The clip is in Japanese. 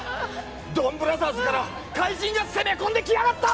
「ドンブラザーズ」から怪人が攻め込んできやがった！